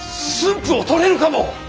府を取れるかも！